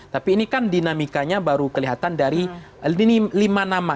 tapi ini kan dinamikanya baru kelihatan dari lima nama